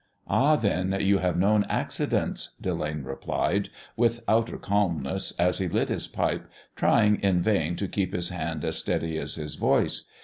"Ah, then you have known accidents," Delane replied with outer calmness, as he lit his pipe, trying in vain to keep his hand as steady as his voice.